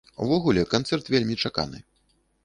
Увогуле канцэрт вельмі чаканы.